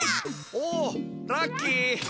おおラッキー！